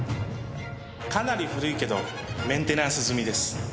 かなり古いけどメンテナンス済みです。